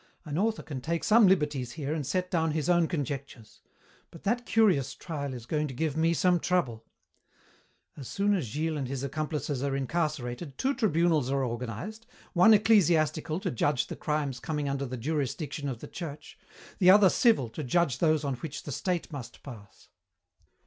An author can take some liberties here and set down his own conjectures. But that curious trial is going to give me some trouble. "As soon as Gilles and his accomplices are incarcerated, two tribunals are organized, one ecclesiastical to judge the crimes coming under the jurisdiction of the Church, the other civil to judge those on which the state must pass.